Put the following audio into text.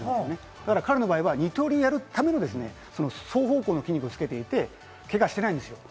だから彼の場合は二刀流をやるための、双方向の筋肉をつけていて、けがをしていないんです。